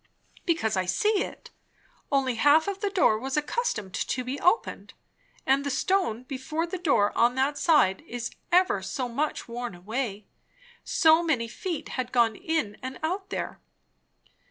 "Because, I see it. Only half of the door was accustomed to be opened; and the stone before the door on that side is ever so much worn away. So many feet had gone in and out there."